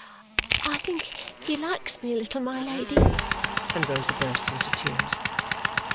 "I think he likes me a little, my Lady." And Rosa bursts into tears.